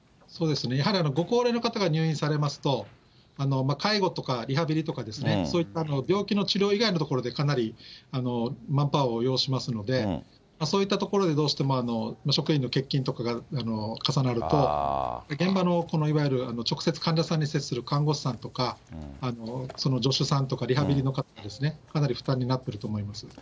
そうですね、やはりご高齢の方が入院されますと、介護とかリハビリとか、そういった病気の治療以外のところでかなりマンパワーを要しますので、そういったところでどうしても、職員の欠勤とかが重なると、現場のいわゆる直接患者さんに接する看護師さんとか、その助手さんとか、リハビリの方ですね、かなり負担になってると思います。